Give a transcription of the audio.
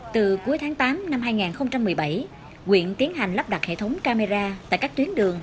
từ cuối tháng tám năm hai nghìn một mươi bảy quyện tiến hành lắp đặt hệ thống camera tại các tuyến đường